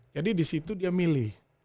jadi disitu dia milih